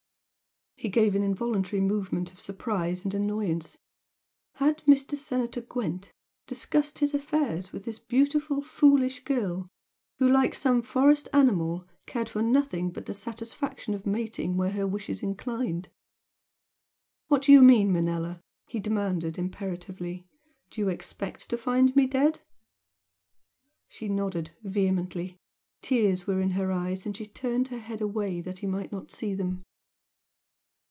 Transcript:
He gave an involuntary movement of surprise and annoyance. Had Mr. Senator Gwent discussed his affairs with this beautiful foolish girl who, like some forest animal, cared for nothing but the satisfaction of mating where her wishes inclined. "What do you mean, Manella?" he demanded, imperatively "Do you expect to find me dead?" She nodded vehemently. Tears were in her eyes and she turned her head away that he might not see them.